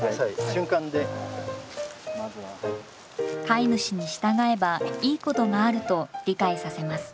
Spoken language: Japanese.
飼い主に従えばいいことがあると理解させます。